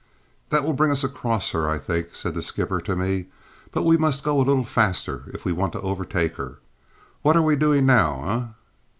"That will bring us across her, I think," said the skipper to me. "But we must go a little faster if we want to overtake her. What are we doing now, eh?"